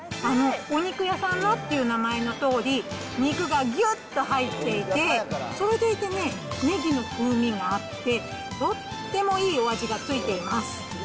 お肉屋さんのっていう名前のとおり、肉がぎゅっと入っていて、それでいてね、ねぎの風味があって、とってもいいお味が付いています。